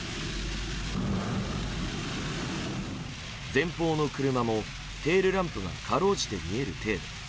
前方の車も、テールランプがかろうじて見える程度。